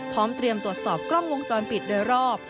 พร้อมเตรียมตรวจสอบกล้องวงจรปิดโดยรอบ